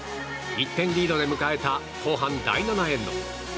１点リードで迎えた後半第７エンド。